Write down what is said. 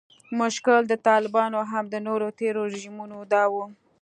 مشکل د طالبانو او هم د نورو تیرو رژیمونو دا و